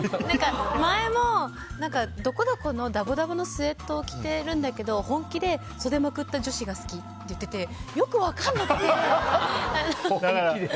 前もどこどこのだぼだぼのスウェットを着てるんだけど本気で袖をまくった女子が好きって言っててよく分かんなくて。